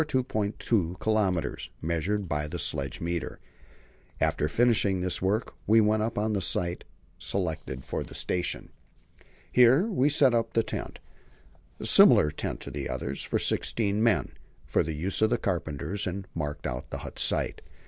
2 kilometres, measured by sledge meter. After finishing this work, we went on up to the site selected for the station. Here we set up the tent a similar tent to the other, for sixteen men for the use of the carpenters, and marked out the hut site.